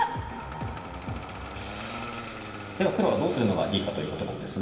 では黒はどうするのがいいかということなんですが。